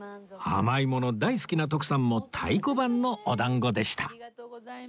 甘いもの大好きな徳さんも太鼓判のお団子でした